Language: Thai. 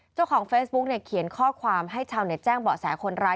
เจ้าของเฟซบุ๊กเนี่ยเขียนข้อความให้ชาวเน็ตแจ้งเบาะแสคนร้าย